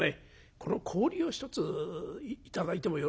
この氷を１つ頂いてもよろしゅうございますか？